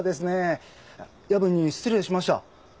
夜分に失礼しました。